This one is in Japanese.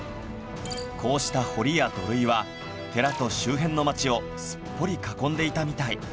こうした堀や土塁は寺と周辺の街をすっぽり囲んでいたみたい